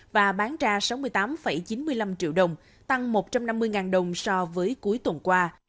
và bán ra sáu mươi tám chín mươi năm triệu đồng tăng một trăm năm mươi đồng so với cuối tuần qua